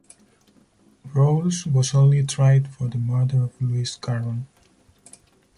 Rowles was only tried for the murder of Louis Carron.